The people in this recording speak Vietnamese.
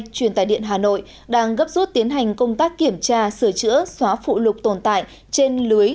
truyền tài điện hà nội đang gấp rút tiến hành công tác kiểm tra sửa chữa xóa phụ lục tồn tại trên lưới